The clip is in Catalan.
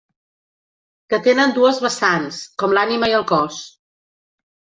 Que tenen dues vessants, com l'ànima i el cos.